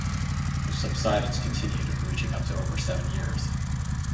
The subsidence continued, reaching up to over seven years.